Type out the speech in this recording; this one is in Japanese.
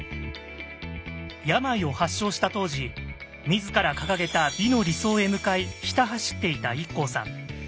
病を発症した当時自ら掲げた美の理想へ向かいひた走っていたＩＫＫＯさん。